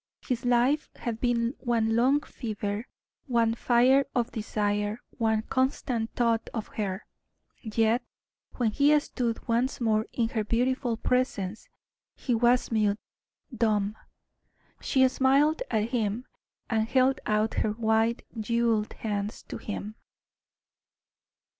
His life had been one long fever, one fire of desire, one constant thought of her; yet, when he stood once more in her beautiful presence, he was mute, dumb. She smiled at him, and held out her white, jeweled hands to him.